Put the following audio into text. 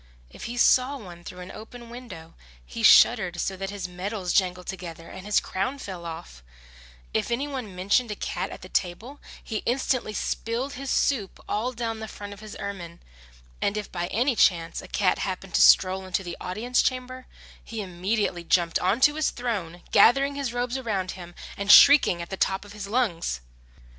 If he saw one through an open window he shuddered so that his medals jangled together and his crown fell off; if any one mentioned a cat at the table he instantly spilled his soup all down the front of his ermine; and if by any chance a cat happened to stroll into the audience chamber, he immediately jumped on to his throne, gathering his robes around him and shrieking at the top of his lungs.